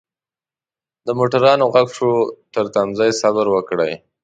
دموټروان ږغ شو ترتمځای صبروکړئ.